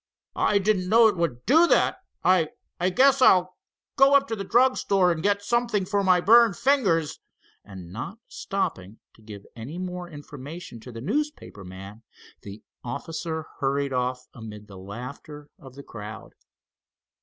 "I didn't know it would do that. I—I guess I'll go up to the drug store and get something for my burned fingers," and, not stopping to give any more information to the newspaper man, the officer hurried off, amid the laughter of the crowd.